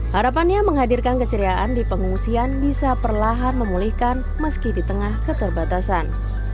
harapannya menghadirkan keceriaan di pengungsian bisa perlahan memulihkan meski di tengah keterbatasan